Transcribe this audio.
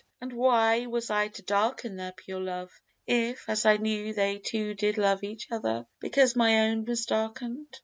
And why was I to darken their pure love, If, as I knew, they two did love each other, Because my own was darken'd?